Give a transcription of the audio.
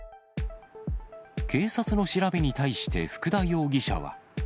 警察の調べに対して、福田容疑者は。